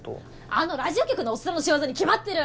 あのラジオ局のオッサンの仕業に決まってる！